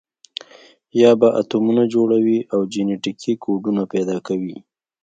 یا به اتمونه جوړوي او جنټیکي کوډونه پیدا کوي.